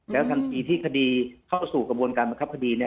แล้วทันทีที่คดีเข้าสู่กระบวนการบังคับคดีเนี่ย